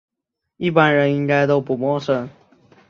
一般人应该都不陌生